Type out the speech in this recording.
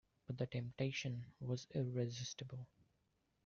But the temptation was irresistible.